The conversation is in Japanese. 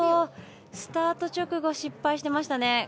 スタート直後失敗してましたね。